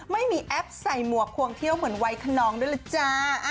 ไม่มีแอปใส่หมวกควงเที่ยวเหมือนวัยคนนองด้วยล่ะจ้า